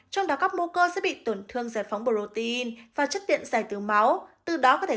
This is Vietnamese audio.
trong đó các mô cơ sẽ bị tổn thương giải phóng protein và chất điện xảy từ máu từ đó có thể